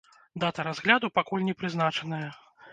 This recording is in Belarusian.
Дата разгляду пакуль не прызначаная.